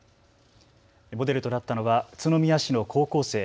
モデルとなったのは宇都宮市の高校生。